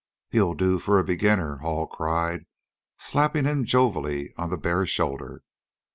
"You'll do, for a beginner," Hall cried, slapping him jovially on the bare shoulder.